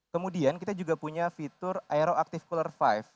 kemudian kita juga punya fitur aero active color lima